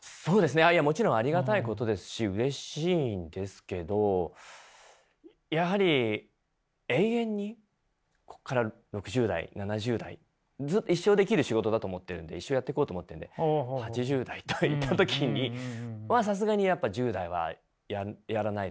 あいやもちろんありがたいことですしうれしいんですけどやはり永遠にこっから６０代７０代一生できる仕事だと思ってるんで一生やっていこうと思ってるんで８０代といった時にまあさすがにやっぱ１０代はやらないでしょうし。